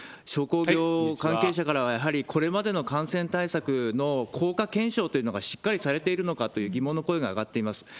職業関係者からは、やはりこれまでの感染対策の効果検証というのがしっかりされているのかという疑問の声が上がっています。